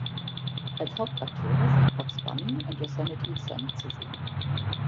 Als Hauptakteure sind Bugs Bunny und Yosemite Sam zu sehen.